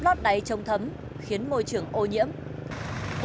và ở đây mọi công việc